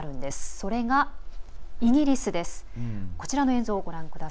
それがイギリスです。